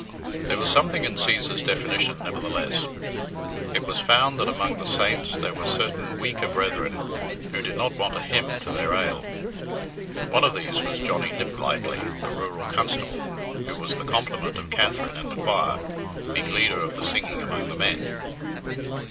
There was something in Cæsar's definition, nevertheless. It was found that among the saints there were certain weaker brethren who did not want a hymn to their ale. One of these was Johnny Niplightly, the rural constable, who was the complement of Katherine in the choir, being leader of the singing among the men.